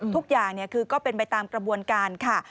ทุกอย่างคือก็เป็นไปตามกระบวนการค่ะ